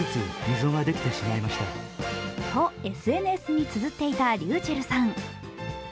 とＳＮＳにつづっていたｒｙｕｃｈｅｌｌさん。